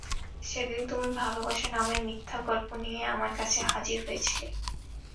সেদিন তুমি ভালোবাসা নামের মিথ্যে গল্প নিয়ে আমার কাছে হাজির হয়েছিলে।